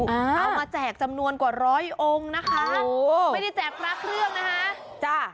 เอามาแจกจำนวนกว่าร้อยองค์นะคะไม่ได้แจกพระเครื่องนะคะจ้ะ